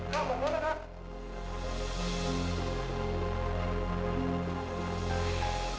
kak bangun anak anak